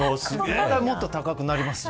もっと高くなりますよ。